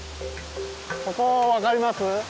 ここ分かります？